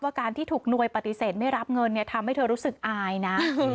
การที่ถูกหน่วยปฏิเสธไม่รับเงินเนี่ยทำให้เธอรู้สึกอายนะ